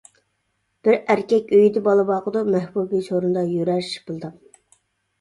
بىر ئەركەك ئۆيىدە بالا باقىدۇ، مەھبۇبى سورۇندا يۈرەر شىپىلداپ.